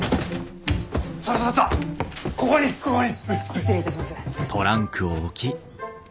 失礼いたします。